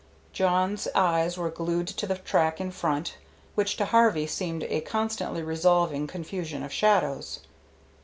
Jawn's eyes were glued to the track in front, which to Harvey seemed a constantly resolving confusion of shadows.